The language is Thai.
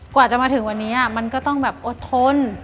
กว่าจะมาถึงวันนี้มันก็ต้องแบบอดทน